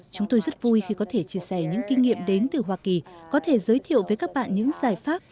chúng tôi rất vui khi có thể chia sẻ những kinh nghiệm đến từ hoa kỳ có thể giới thiệu với các bạn những giải pháp